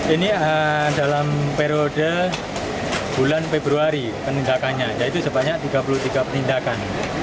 ini dalam periode bulan februari penindakannya yaitu sebanyak tiga puluh tiga penindakan